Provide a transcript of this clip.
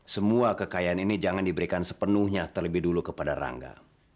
semua kekayaan ini jangan diberikan sepenuhnya terlebih dulu kepada rangga